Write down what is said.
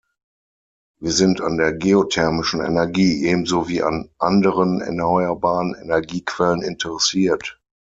Wir sind an der geothermischen Energie ebenso wie an anderen erneuerbaren Energiequellen interessiert.